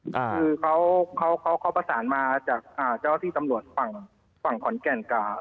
คือเขาเขาประสานมาจากเจ้าที่ตำรวจฝั่งฝั่งขอนแก่นกับ